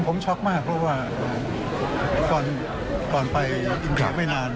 คือผมช็อคมากเพราะว่าก่อนไปอิงเทย์ไม่นาน